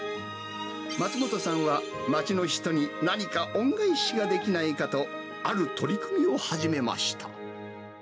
松本さんは、町の人に何か恩返しができないかと、ある取り組みを始めました。